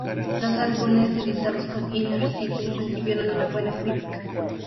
Los álbumes editados con Inner City recibieron una buena crítica.